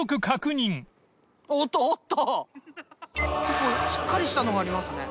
結構しっかりしたのがありますね。